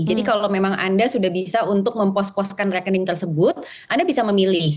jadi kalau memang anda sudah bisa untuk mempost postkan rekening tersebut anda bisa memilih